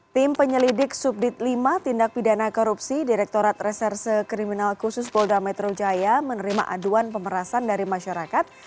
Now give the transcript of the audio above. tim penyelidik subdit lima tindak pidana korupsi direktorat reserse kriminal khusus polda metro jaya menerima aduan pemerasan dari masyarakat